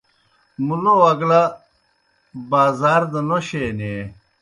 مُلو اگلہ بازار دہ نوشے نیں۔